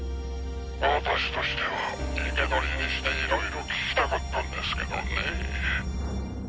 私としては生け捕りにして色々聞きたかったんですけどねぇ。